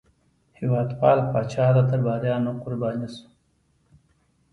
هېوادپال پاچا د درباریانو قرباني شو.